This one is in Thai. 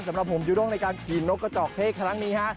สำหรับผมยูด้งในการกินนกกระเจาะเทคครั้งนี้